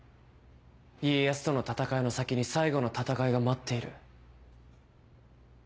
家康との戦いの先に最後の戦いが待っている。